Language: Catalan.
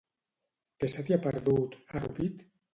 Què se t'hi ha perdut, a Rupit?